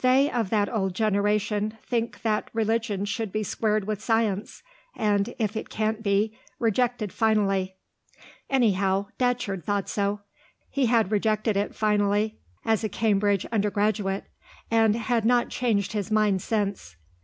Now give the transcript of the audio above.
They of that old generation think that religion should be squared with science, and, if it can't be, rejected finally. Anyhow Datcherd thought so; he had rejected it finally as a Cambridge undergraduate, and had not changed his mind since.